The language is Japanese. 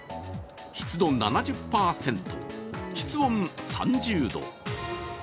湿度７０％、室温３０度。